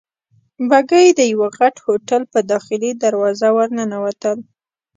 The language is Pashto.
بګۍ د یوه غټ هوټل په داخلي دروازه ورننوتل.